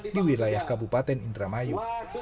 di wilayah kabupaten indramayu